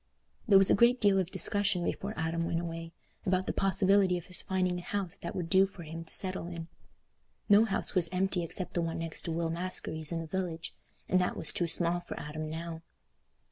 There was a great deal of discussion before Adam went away, about the possibility of his finding a house that would do for him to settle in. No house was empty except the one next to Will Maskery's in the village, and that was too small for Adam now.